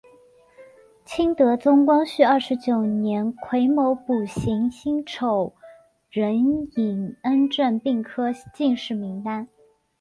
清德宗光绪二十九年癸卯补行辛丑壬寅恩正并科进士名单。